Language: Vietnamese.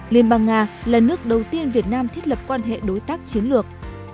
liên bang nga là nước đầu tiên việt nam thiết lập quan hệ đối tác chiến lược